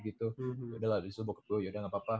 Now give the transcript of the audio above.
yaudah lah abis itu bokap gua yaudah gapapa